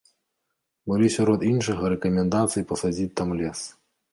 Былі сярод іншага рэкамендацыі пасадзіць там лес.